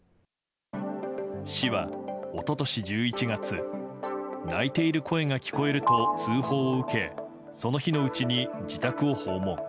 市は一昨年１１月泣いている声が聞こえると通報を受けその日のうちに自宅を訪問。